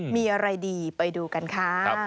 มีอะไรดีไปดูกันค่ะ